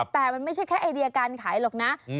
แต่มันไม่ใช่แค่ไอเดียการขายหรอกนะ